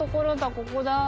ここだ。